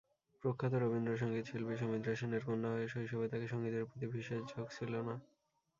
প্রখ্যাত রবীন্দ্রসঙ্গীত শিল্পী সুমিত্রা সেনের কন্যা হয়েও শৈশবে তার সঙ্গীতের প্রতি বিশেষ ঝোঁক ছিল না।